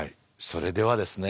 それではですね